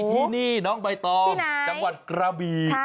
ที่นี่น้องใบตองจังหวัดกระบี